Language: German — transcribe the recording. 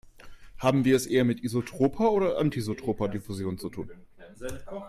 Haben wir es eher mit isotroper oder mit anisotroper Diffusion zu tun?